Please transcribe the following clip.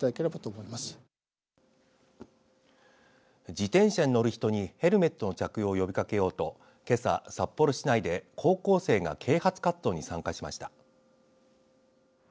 自転車に乗る人にヘルメットの着用を呼びかけようとけさ札幌市内で高校生が啓発活動に参加しました。